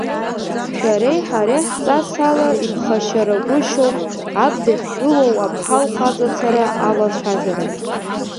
Шәареи ҳареи ҳҵасала иԥхашьарагәышьоуп, аб дахьгылоу аԥҳа лхаҵацара алацәажәара.